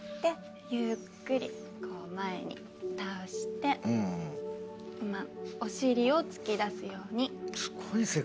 ゆっくり前に倒してこのままお尻を突き出すように。